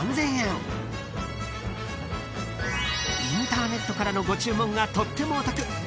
［インターネットからのご注文がとってもお得］